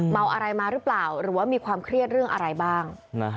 เมาอะไรมาหรือเปล่าหรือว่ามีความเครียดเรื่องอะไรบ้าง